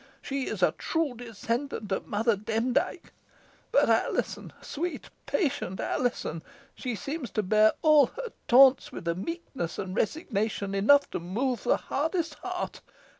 She is a true descendant of Mother Demdike. But Alizon sweet, patient Alizon she seems to bear all her taunts with a meekness and resignation enough to move the hardest heart.